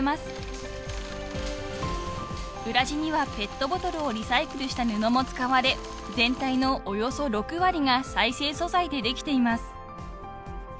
［裏地にはペットボトルをリサイクルした布も使われ全体のおよそ６割が再生素材でできています］